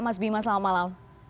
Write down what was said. mas bima selamat malam